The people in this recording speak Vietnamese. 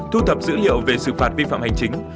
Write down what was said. thu thập dữ liệu về xử phạt vi phạm hành chính